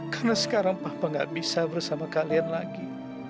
karena sekarang papa gak bisa bersama kalian lagi